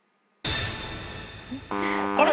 あれ？